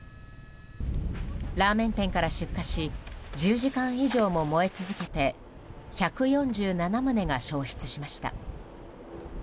ラーメン店から出火し１０時間以上も燃え続けて１４７棟が焼失しました。